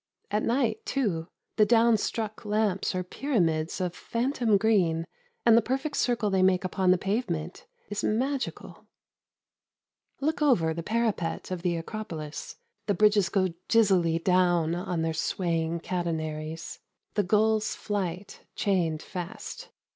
At night, too, the down struck lamps are pyramids of phantom green and the perfect circle they make upon the pavement is magical. Look over the parapet of the Acropolis. The bridges go dizzily down on their swaying catenaries, the gull's flight chained fast.